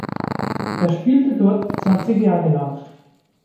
Er spielte dort zwanzig Jahre lang.